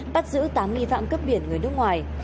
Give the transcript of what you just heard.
bắt giữ tám nghi phạm cướp biển người nước ngoài